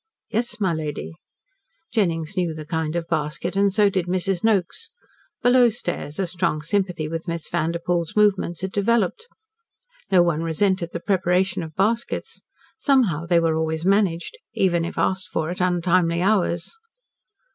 "Yes, my lady," Jennings knew the kind of basket and so did Mrs. Noakes. Below stairs a strong sympathy with Miss Vanderpoel's movements had developed. No one resented the preparation of baskets. Somehow they were always managed, even if asked for at untimely hours.